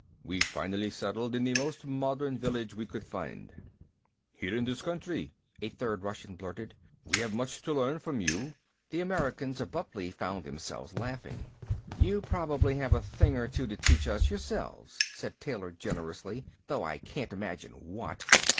We finally settled in the most modern village we could find." "Here in this country," a third Russian blurted. "We have much to learn from you." The Americans abruptly found themselves laughing. "You probably have a thing or two to teach us yourselves," said Taylor generously, "though I can't imagine what."